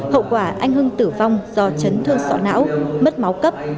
hậu quả anh hưng tử vong do chấn thương sọ não mất máu cấp